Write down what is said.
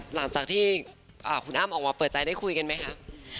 หลังจากที่คุณอ้ำออกมาเปิดใจได้คุยกันไหมคะ